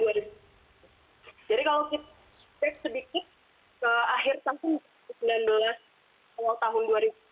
jadi kalau kita step sedikit ke akhir tahun dua ribu sembilan belas awal tahun dua ribu dua puluh